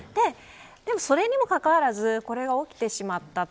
でも、それにもかかわらずこれが起きてしまったと。